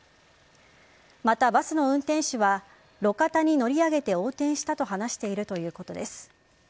また、バスの運転手は路肩に乗り上げて横転したと話しているということです。